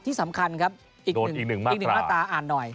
ที่สำคัญครับอีกหนึ่งมาตราอ่านหน่อย